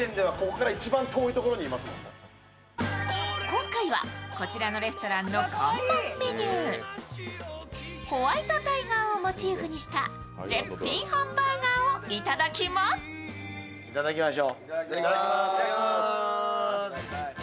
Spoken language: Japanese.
今回はこちらのレストランの看板メニュー、ホワイトタイガーをモチーフにした絶品ハンバーガーをいただきます。